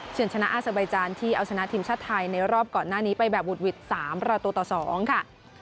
ชนะอาเซอร์ใบจานที่เอาชนะทีมชาติไทยในรอบก่อนหน้านี้ไปแบบวุดหวิด๓ประตูต่อ๒ค่ะ